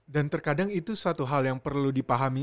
dan terkadang itu satu hal yang perlu dipahami